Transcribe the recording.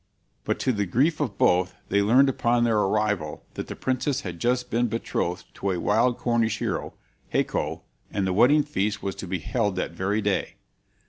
But to the grief of both, they learned upon their arrival that the princess had just been betrothed to a wild Cornish hero, Haco, and the wedding feast was to be held that very day.